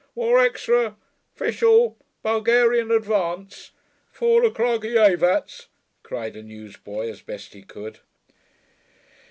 'War Extra. 'Fishul. Bulgarian Advance. Fall of Kragujevatz,' cried a newsboy, as best he could.